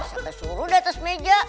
sampai suruh di atas meja